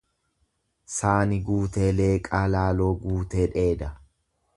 Saani Guutee Leeqaa Laaloo guutee dheeda.